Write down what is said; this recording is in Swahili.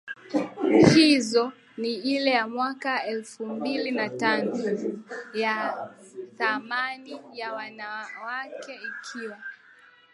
hizo ni ile ya mwaka elfu mbili na tano ya thamani ya mwanamke ikiwa